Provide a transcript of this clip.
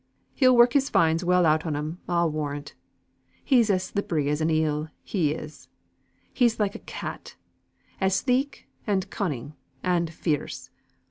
He'll work his fines well out on 'em, I'll warrant. He's as slippery as an eel, he is. He's like a cat, as sleek, and cunning, and fierce.